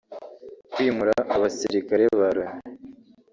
kwimura abasirikare ba Loni